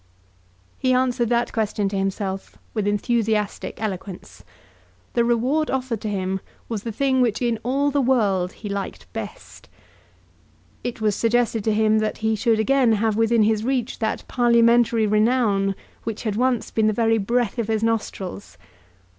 He answered that question to himself with enthusiastic eloquence. The reward offered to him was the thing which in all the world he liked best. It was suggested to him that he should again have within his reach that parliamentary renown which had once been the very breath of his nostrils.